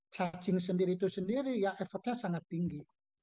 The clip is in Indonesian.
cacing sendiri itu sendiri ya effortnya sangat tinggi